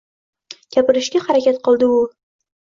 Gapirishga harakat qildi u